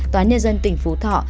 tòa nhân dân tỉnh phú thọ